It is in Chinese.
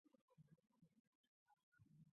光绪十一年进士。